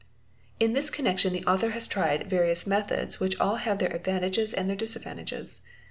In this connection the author has tried various methods which all have their advantages and their, disadvantages.